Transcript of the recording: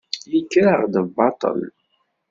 Yekker-aɣ-d baṭel.